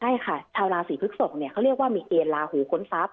ใช่ค่ะชาวราศีพฤกษกเนี่ยเขาเรียกว่ามีเกณฑ์ลาหูค้นทรัพย